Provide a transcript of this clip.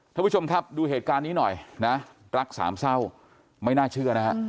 ท่านผู้ชมครับดูเหตุการณ์นี้หน่อยนะรักสามเศร้าไม่น่าเชื่อนะฮะ